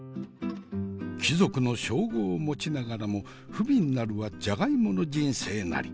貴族の称号を持ちながらもふびんなるはジャガイモの人生なり。